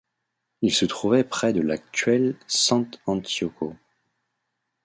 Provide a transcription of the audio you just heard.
Il se trouvait près de l'actuelle Sant'Antioco.